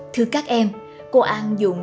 thưa các em cô an dùng